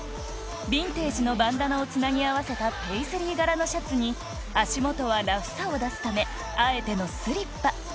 ビンテージのバンダナをつなぎ合わせたペイズリー柄のシャツに足元はラフさを出すためあえてのスリッパ